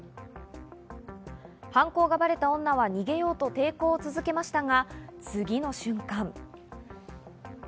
犯行がばれた女は逃げようと抵抗を続けましたが、次の瞬間。